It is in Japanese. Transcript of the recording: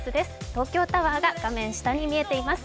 東京タワーが画面下に見えています。